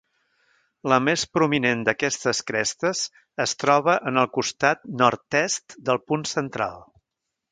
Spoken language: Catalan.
La més prominent d'aquestes crestes es troba en el costat nord-est del punt central.